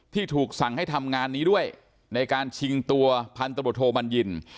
ที่ถูกสั่งให้ทำงานนี้ด้วยในการชิงตัวพันธบทโทบัญญิน